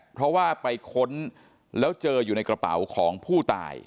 เพราะว่าไปค้นแล้วเจออยู่ในกระเป๋าของผู้ตาย